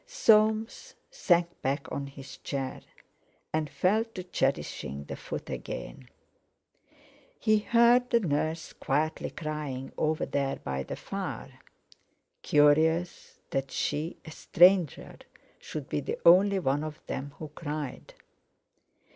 Soames sank back on his chair, and fell to cherishing the foot again. He heard the nurse quietly crying over there by the fire; curious that she, a stranger, should be the only one of them who cried!